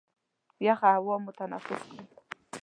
یخه هوا مو تنفس کړل.